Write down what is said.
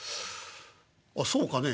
「あそうかね？」。